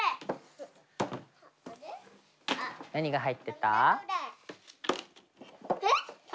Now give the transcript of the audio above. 何が入ってた？